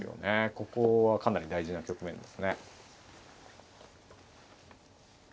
ここはかなり大事な局面ですね。